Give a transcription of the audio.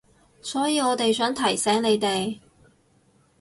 所以我哋想提醒你哋